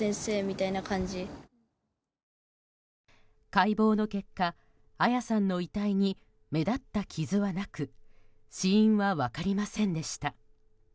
解剖の結果彩さんの遺体に目立った傷はなく死因は分かりませんでした。